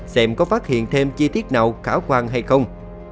xem có phát hiện thêm chi tiết nào khả quan hay không